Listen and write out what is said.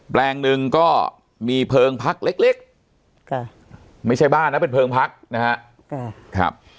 แปลงหนึ่งก็มีเพลิงพักเล็กไม่ใช่บ้านนะเป็นเพลิงพักนะครับ